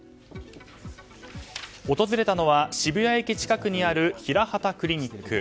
訪れたのは、渋谷駅近くにあるヒラハタクリニック。